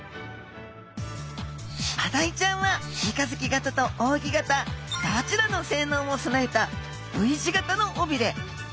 マダイちゃんは三日月形と扇形どちらの性能も備えたＶ字形の尾びれ。